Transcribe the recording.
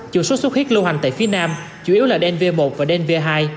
chủ sốt xuất huyết lưu hành tại phía nam chủ yếu là dnv một và dnv hai